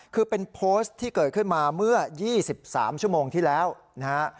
คือเป็นโพสต์ที่เกิดขึ้นมาเมื่อ๒๓ชั่วโมงที่แล้วนะฮะ